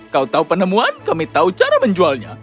kau tahu penemuan kami tahu cara menjualnya